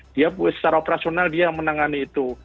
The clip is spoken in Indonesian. dia secara operasional dia yang menangani itu